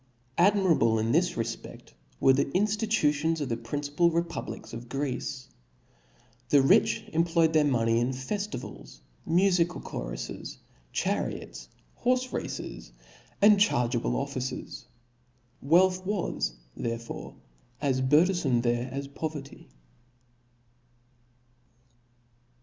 Admirable in this refpedl were the inftitutions of the principal republics of Greece, The rich cm ployed their money in feftivals, mufical choruses, chariots, horfcrraces, and chargeable offices. Wealth was therefore as burthenfome there as poverty.